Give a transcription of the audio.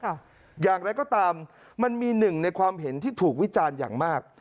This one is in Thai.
อย่างไรก็ตามมันมีหนึ่งในความเห็นที่ถูกวิจารณ์อย่างมาก